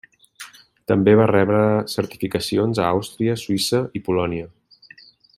També va rebre certificacions a Àustria, Suïssa i Polònia.